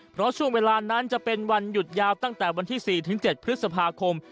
เพราะช่วงเวลานั้นจะเป็นวันหยุดยาวตั้งแต่วันที่๔๗พฤษภาคม